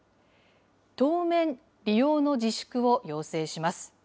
当面、利用の自粛を要請します。